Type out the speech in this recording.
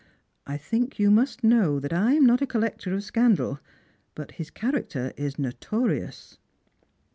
I think you must know that I am not a collector of scandal, but his character is notorious."